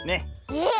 えっ！